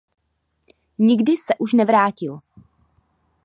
Nikdy se už nevrátil.